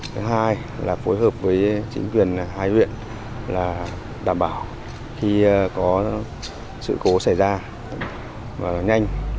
thứ hai là phối hợp với chính quyền hai huyện là đảm bảo khi có sự cố xảy ra và nhanh